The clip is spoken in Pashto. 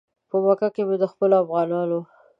په مکه کې مې د خپلو افغانانو.